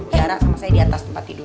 jarak sama saya di atas tempat tidur